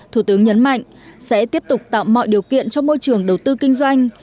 thủ tướng nhấn mạnh sẽ tiếp tục tạo mọi điều kiện cho môi trường đầu tư kinh doanh